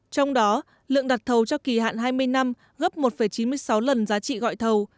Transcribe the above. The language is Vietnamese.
trong đó lượng đặt thầu cho kỳ hạn hai mươi năm gấp một chín mươi sáu lần giá trị gọi thầu